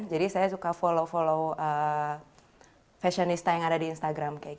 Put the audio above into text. jadi saya suka follow follow fashionista yang ada di instagram